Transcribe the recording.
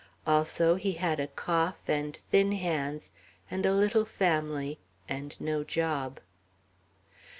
Also, he had a cough and thin hands and a little family and no job.